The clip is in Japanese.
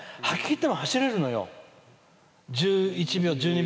吐ききっても走れるのよ。